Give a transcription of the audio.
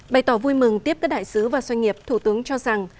bày tỏ vui mừng tiếp các đại sứ và doanh nghiệp thủ tướng cho rằng